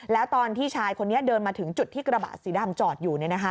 แล้วตอนที่ชายคนนี้เดินมาถึงจุดที่กระบะสีดำจอดอยู่